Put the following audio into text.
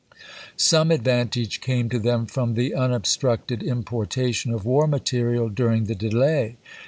Some advantage came to them from the un obstructed importation of war material duiing the delay.